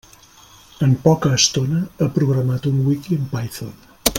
En poca estona, ha programat un wiki en Python.